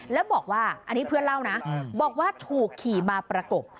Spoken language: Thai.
แล้วบอกว่าอันนี้เพื่อนเล่านะบอกว่าถูกขี่มาประกบ